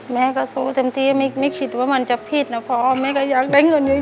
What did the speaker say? แม่ก็สู้เต็มที่ไม่คิดว่ามันจะผิดนะพ่อแม่ก็อยากได้เงินเยอะ